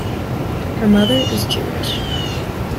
Her mother is Jewish.